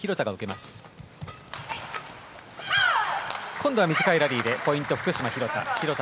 今度は短いラリーでポイント、福島、廣田。